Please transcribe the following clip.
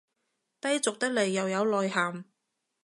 低俗得來又有內涵